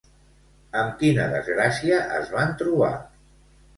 Amb quina desgràcia es van trobar?